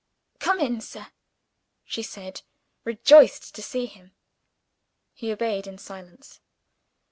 "Come in, sir!" she said, rejoiced to see him. He obeyed in silence.